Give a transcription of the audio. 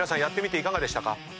やってみていかがでしたか？